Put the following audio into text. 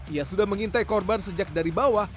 ia sudah mengintai korban sejak dari bawah